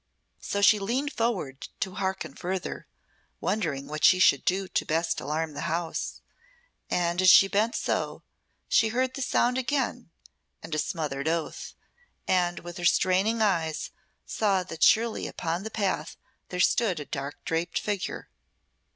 So she leaned forward to hearken further, wondering what she should do to best alarm the house, and, as she bent so, she heard the sound again and a smothered oath, and with her straining eyes saw that surely upon the path there stood a dark draped figure.